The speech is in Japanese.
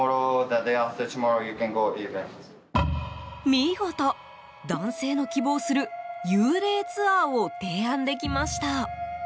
見事、男性の希望する幽霊ツアーを提案できました。